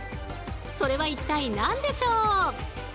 それは一体何でしょう？